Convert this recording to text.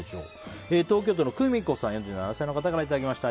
東京都の４７歳の方からいただきました。